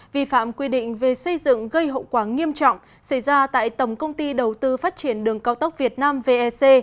vi phạm quy định về xây dựng gây hậu quả nghiêm trọng xảy ra tại tổng công ty đầu tư phát triển đường cao tốc việt nam vec